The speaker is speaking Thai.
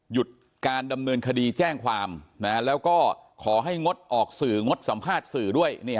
หยุดการดำเนินคดีแจ้งความแล้วก็ขอให้งดออกสื่องดสัมภาษณ์สื่อด้วย